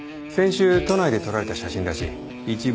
先週都内で撮られた写真らしい。